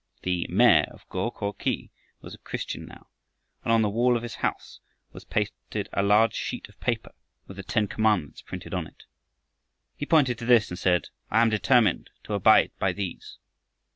The "mayor" of Go ko khi was a Christian now, and on the wall of his house was pasted a large sheet of paper with the ten commandments printed on it. He pointed to this and said: "I am determined to abide by these."